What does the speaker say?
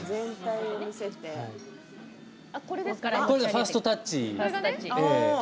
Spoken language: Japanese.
ファーストタッチ。